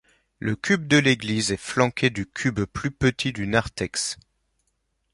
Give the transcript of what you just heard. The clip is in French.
Le cube de l'église est flanqué du cube plus petit du narthex.